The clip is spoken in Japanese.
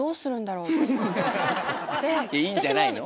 いいんじゃないの？